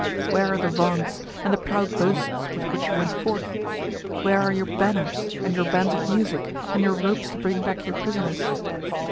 Where are the vaunts, and the proud boasts with which you went forth? Where are your banners, and your bands of music, and your ropes to bring back your prisoners?